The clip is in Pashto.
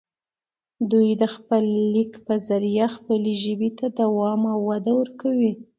دوي دَ خپل ليک پۀ زريعه خپلې ژبې ته دوام او وده ورکوي